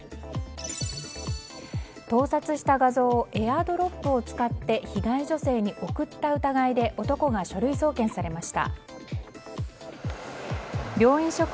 盗撮した画像をＡｉｒＤｒｏｐを使って被害女性に送った疑いで男が書類送検されました。